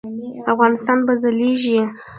افغانستان به ځلیږي